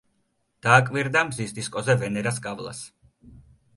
დააკვირდა მზის დისკოზე ვენერას გავლას.